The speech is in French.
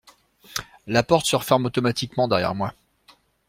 La porte se referme automatiquement derrière moi.